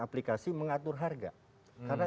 aplikasi mengatur harga karena